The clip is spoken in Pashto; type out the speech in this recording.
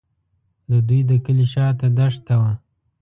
د دوی د کلي شاته دښته وه.